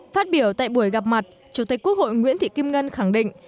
phát biểu tại buổi gặp mặt chủ tịch quốc hội nguyễn thị kim ngân khẳng định